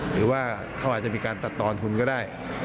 หรือว่าเขาอาจจะมีการตัดตอนทุนก็ได้